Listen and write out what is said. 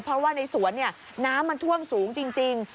เพราะว่าในสวนน้ำมันท่วมสูงจริง